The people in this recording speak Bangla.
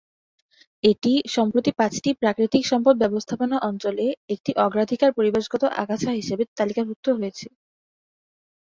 এটি সম্প্রতি পাঁচটি প্রাকৃতিক সম্পদ ব্যবস্থাপনা অঞ্চলে একটি অগ্রাধিকার পরিবেশগত আগাছা হিসাবে তালিকাভুক্ত হয়েছে।